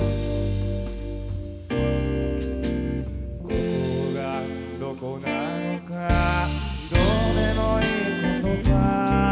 「ここがどこなのかどうでもいいことさ」